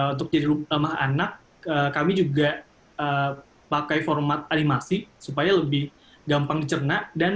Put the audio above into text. untuk jadi rumah anak kami juga pakai format animasi supaya lebih gampang dicerna dan